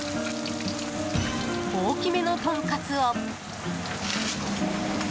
大きめのトンカツを。